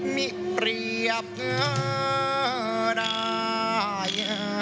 มิเปรียบเออนาย